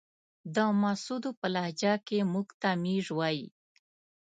د محسودو په لهجه کې موږ ته ميژ وايې.